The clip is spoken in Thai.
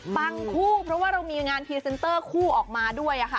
ปังคู่เพราะว่าเรามีงานทีเซนเตอร์คู่ออกมาด้วยอะค่ะ